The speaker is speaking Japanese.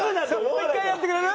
もう一回やってくれる？